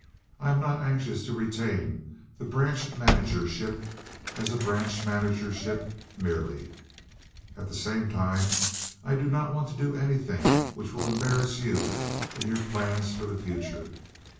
I am not anxious to retain the branch managership as a branch managership merely; at the same time I do not want to do anything which will embarrass you in your plans for the future.